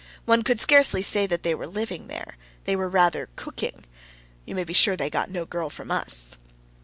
One could scarcely say they were living there; they were rather COOKING. You may be sure they got no girl from us!